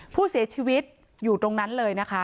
ผู้เสียชีวิตอยู่ตรงนั้นเลยนะคะ